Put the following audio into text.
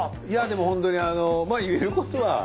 いやでもホントにまあ言えることは。